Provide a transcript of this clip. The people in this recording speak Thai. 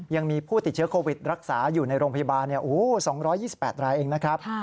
ยังมีผู้ติดเชื้อโควิดรักษาอยู่ในโรงพยาบาล๒๒๘รายเองนะครับ